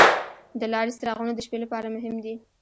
د لارې څراغونه د شپې لپاره مهم دي.